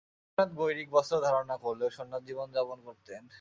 মহেন্দ্রনাথ গৈরিক বস্ত্র ধারণ না করলেও সন্ন্যাসজীবন যাপন করতেন।